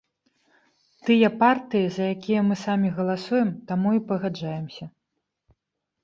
Тыя партыі, за якія мы самі галасуем, таму і пагаджаемся.